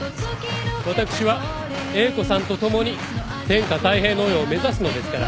私は英子さんと共に天下泰平の世を目指すのですから。